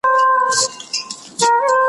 ما مخکي د سبا لپاره د ژبي تمرين کړی وو،